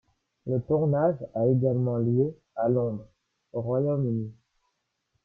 Le tournage a également lieu à Londres, au Royaume-Uni.